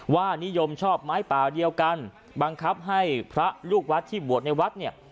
ว่านิยมชอบไม้ป่าเดียวกันบังคับให้พระลูกวัดที่บวชในวัดเนี่ย